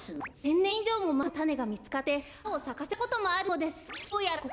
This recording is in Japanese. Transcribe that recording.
１，０００ねんいじょうもまえのたねがみつかってはなをさかせたこともあるそうです。